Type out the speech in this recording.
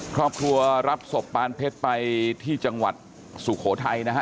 ครอบครัวรับศพปานเพชรไปที่จังหวัดสุโขทัยนะฮะ